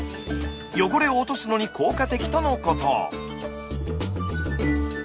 汚れを落とすのに効果的とのこと。